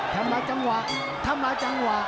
แล้วมาจังหวาวรรดิถ้ามาจังหวา